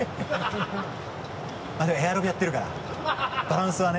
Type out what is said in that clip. でもエアロビやってるからバランスはね。